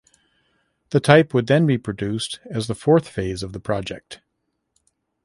The type would then be produced as the fourth phase of the project.